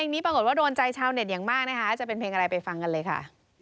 นี้ปรากฏว่าโดนใจชาวเน็ตอย่างมากนะคะจะเป็นเพลงอะไรไปฟังกันเลยค่ะ